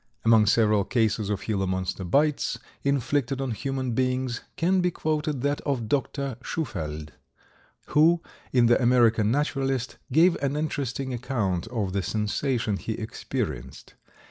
Among several cases of Gila Monster bites inflicted on human beings can be quoted that of Dr. Shufeldt, who, in "The American Naturalist," gave an interesting account of the sensations he experienced.